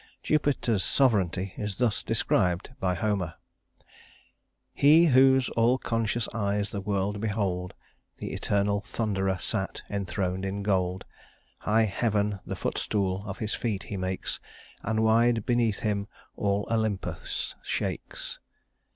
Jupiter's sovereignty is thus described by Homer: "He whose all conscious eyes the world behold, The eternal Thunderer sat, enthroned in gold, High heaven the footstool of his feet he makes, And wide beneath him all Olympus shakes.